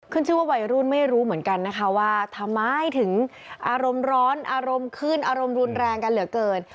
ชื่อว่าวัยรุ่นไม่รู้เหมือนกันนะคะว่าทำไมถึงอารมณ์ร้อนอารมณ์ขึ้นอารมณ์รุนแรงกันเหลือเกิน